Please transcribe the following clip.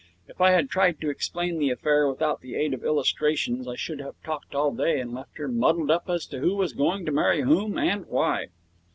If I had tried to explain the affair without the aid of illustrations I should have talked all day and left her muddled up as to who was going to marry whom, and why.